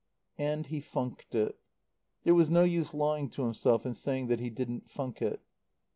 And he funked it. There was no use lying to himself and saying that he didn't funk it.